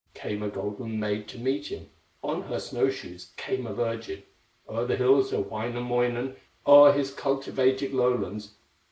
Came a golden maid to meet him, On her snow shoes came a virgin, O'er the hills of Wainamoinen, O'er his cultivated lowlands.